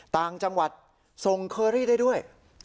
ต่างจังหวัดส่งเคอรี่ได้ด้วย